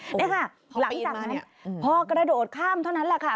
นี่ค่ะหลังจากนั้นพอกระโดดข้ามเท่านั้นแหละค่ะ